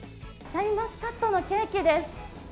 シャインマスカットのケーキです。